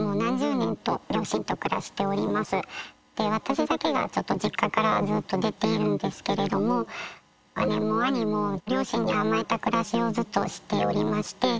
私だけがちょっと実家からずっと出ているんですけれども姉も兄も両親に甘えた暮らしをずっとしておりまして。